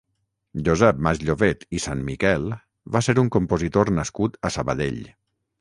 Josep Masllovet i Sanmiquel va ser un compositor nascut a Sabadell.